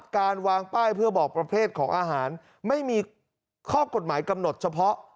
การวางป้ายเพื่อบอกประเภทของอาหารไม่มีข้อกฎหมายกำหนดเฉพาะ